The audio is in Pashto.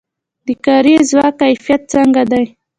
د کاري ځواک کیفیت څنګه دی؟